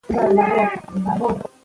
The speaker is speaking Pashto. د فلم موضوع خو جنګي او سياسي ده